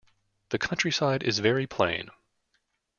The countryside is very plain.